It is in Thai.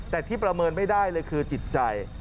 แต่ที่ประเมินไม่ได้เลยคือจิตใจ